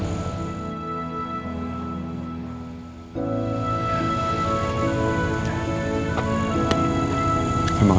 terima kasih banyak